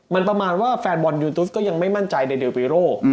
มันประมาณว่าแฟนบอลยูทูสก็ยังไม่มั่นใจในเดลปีโร่